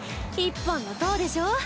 １本の塔でしょ？